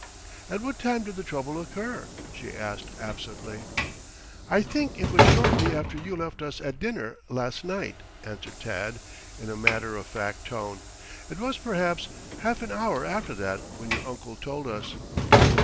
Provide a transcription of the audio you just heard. "At what time did the trouble occur?" she asked absently. "I think it was shortly after you left us at dinner, last night," answered Tad, in a matter of fact tone. "It was, perhaps, half an hour after that when your uncle told us."